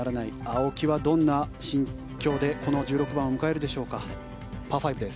青木はどんな心境でこの１６番を迎えるのでしょう。